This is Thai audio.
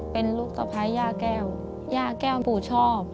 เป็นลูกตะไพยาแก้วยาแก้วปู่ชอบ